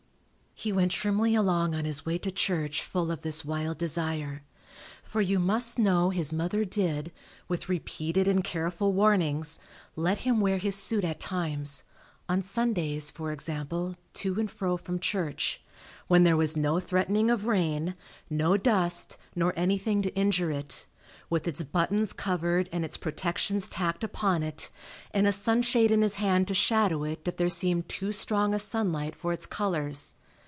He went trimly along on his way to church full of this wild desire. For you must know his mother did, with repeated and careful warnings, let him wear his suit at times, on Sundays, for example, to and fro from church, when there was no threatening of rain, no dust nor anything to injure it, with its buttons covered and its protections tacked upon it and a sunshade in his hand to shadow it if there seemed too strong a sunlight for its colours.